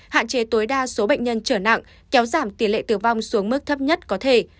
hạn chế tối đa số bệnh nhân trở nặng kéo giảm tỷ lệ tử vong xuống mức thấp nhất có thể